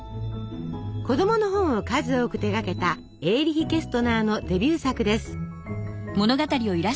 子どもの本を数多く手がけたエーリヒ・ケストナーのデビュー作です。